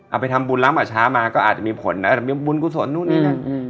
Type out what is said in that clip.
เอาไปทำบุญล้ำป่าช้ามาก็อาจจะมีผลนะอาจจะมีบุญกุศลนู่นนี่นั่น